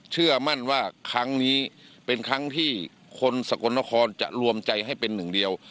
เชื่อมั่นว่าครั้งนี้เป็นครั้งที่คนสกลนครจะรวมใจให้เป็นหนึ่งเดียว